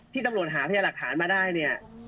ตำรวจหาพยาหลักฐานมาได้เนี่ย